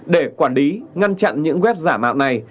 để quản lý ngăn chặn những web giả mạo này